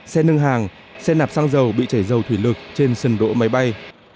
xe nâng hàng xe đạp xăng dầu bị chảy dầu thủy lực trên sân đỗ máy bay